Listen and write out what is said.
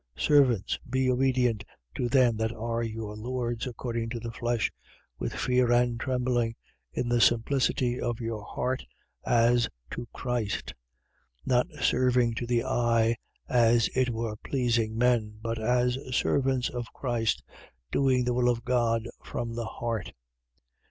6:5. Servants, be obedient to them that are your lords according to the flesh, with fear and trembling, in the simplicity of your heart, as to Christ. 6:6. Not serving to the eye, as it were pleasing men: but, as the servants of Christ, doing the will of God from the heart.